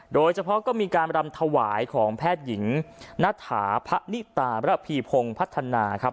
โดยเฉพาะก็มีการรำถวายของแพทย์หญิงณฐาพะนิตาระพีพงศ์พัฒนาครับ